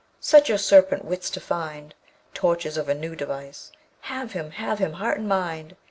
Set your serpent wits to find Tortures of a new device: Have him! have him heart and mind!